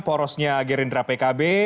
porosnya gerindra pkb